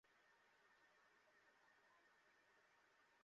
রাতে তার অভিভাবকদের সহায়তায় তাকে বিভিন্ন সিনেমা হলে নিয়ে যাওয়া হয়।